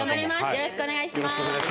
よろしくお願いします。